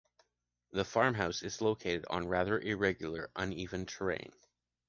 The farmhouse is located on rather irregular, uneven terrain.